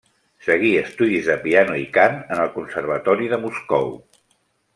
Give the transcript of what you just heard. Segui estudis de piano i cant en el Conservatori de Moscou.